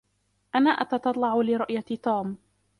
أنا أتتطلع لرؤية توم.